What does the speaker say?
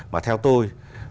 mà theo tôi